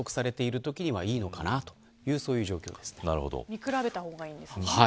見比べた方がいいんですね。